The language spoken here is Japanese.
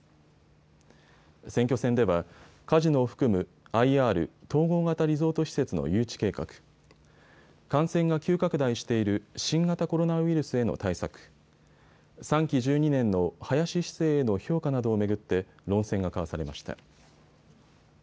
選挙戦では、カジノを含むＩＲ・統合型リゾート施設の誘致計画、感染が急拡大している新型コロナウイルスへの対策、３期１２年の林市政への評価などを巡って論戦が交わされました。